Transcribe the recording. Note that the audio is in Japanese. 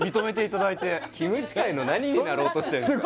キムチ界の何になろうとしてんですか